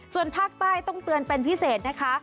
ส่วนภาคใต้ต้องเตือนเป็นพิเศษนะคะ